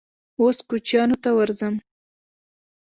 _اوس کوچيانو ته ورځم.